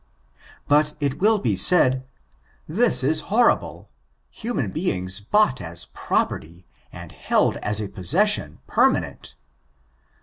*' But, it will be said, this is horrible! Human beings bought as property f and held as a possession permanent